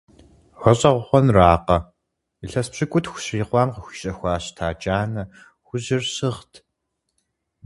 ГъэщӀэгъуэныракъэ, илъэс пщыкӀутху щрикъуам къыхуищэхуауэ щыта джанэ хужьыр щыгът.